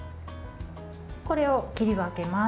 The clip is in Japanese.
これを切り分けます。